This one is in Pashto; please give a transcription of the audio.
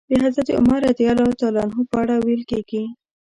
د حضرت عمر رض په اړه ويل کېږي.